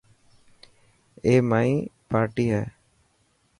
اي مائي پارٽي هي.